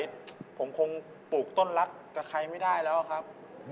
ผมคงปลูกต้นรักกับใครไม่ได้แล้วครับ